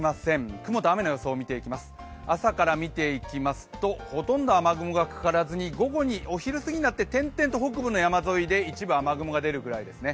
雲と雨の様子を朝から見ていきますと、ほとんど雨雲がかからずに、お昼過ぎになって点々と北部の山沿いで一部雨雲が出るぐらいですね。